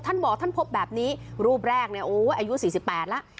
ท่านบอกท่านพบแบบนี้รูปแรกเนี่ยโอ้ยอายุ๔๘แล้ว